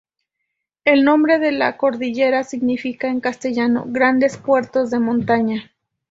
El nombre de la cordillera significa en castellano ""Grandes puertos de montaña"".